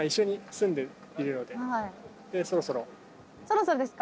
そろそろですか？